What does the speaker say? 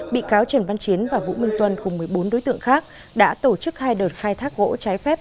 bị cáo trần văn chiến và vũ minh tuân cùng một mươi bốn đối tượng khác đã tổ chức hai đợt khai thác gỗ trái phép